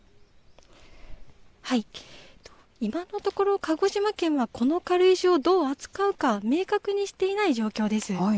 今のところ、鹿児島県はこの軽石をどう扱うか、明確にしていない状況です。